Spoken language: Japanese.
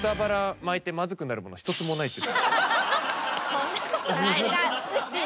そんなことないでしょ。